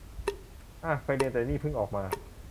อ่ะ ไปเรียน แต่นี่เพิ่งออกมา